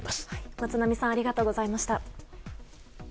松並さんありがとうございました。